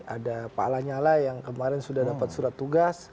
ada pak lanyala yang kemarin sudah dapat surat tugas